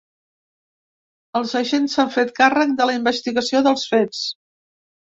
Els agents s’han fet càrrec de la investigació dels fets.